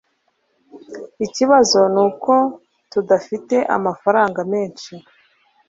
Ikibazo nuko tudafite amafaranga menshi